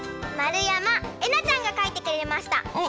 まるやまえなちゃんがかいてくれました。